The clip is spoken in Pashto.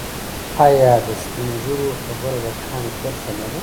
آیا د سپین ږیرو خبره د کاڼي کرښه نه ده؟